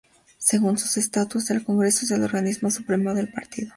Según sus estatutos el Congreso es el organismo supremo del Partido.